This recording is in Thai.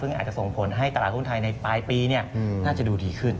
ซึ่งอาจจะส่งผลให้ตลาดหุ้นไทยในปลายปีน่าจะดูดีขึ้น